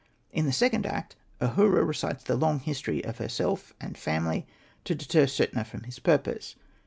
In the second act Ahura recites the long history of herself and family, to deter Setna from his purpose.